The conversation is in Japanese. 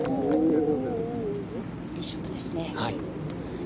いいショットですね。